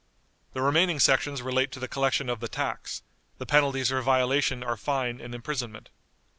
The remaining sections relate to the collection of the tax; the penalties for violation are fine and imprisonment.